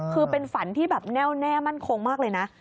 คือเป็นฝันที่แบบแน่วแน่มั่นคงมากเลยนะ